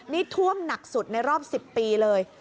นี่ท่วมหนักสุดในรอบ๑๐ปีเลย